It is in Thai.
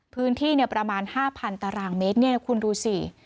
พื้นที่ประมาณ๕๐๐ตารางเมตรคุณดูสิ